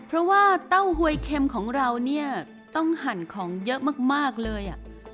เพราะว่าเต้าหวยเค็มของเราเนี่ยต้องหั่นของเยอะมากเลย